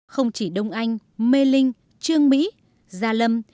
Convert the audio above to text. không chỉ đông anh mê linh trương mỹ gia lâm